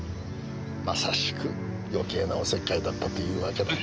まさしく余計なおせっかいだったというわけだ。